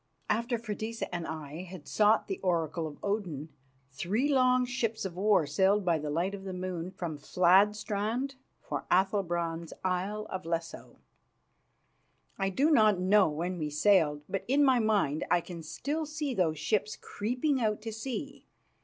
After Freydisa and I had sought the oracle of Odin, three long ships of war sailed by the light of the moon from Fladstrand for Athalbrand's Isle of Lesso. I do not know when we sailed, but in my mind I can still see those ships creeping out to sea.